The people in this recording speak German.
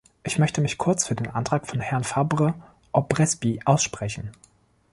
Ich möchte mich kurz für den Antrag von Herrn Fabre-Aubrespy aussprechen.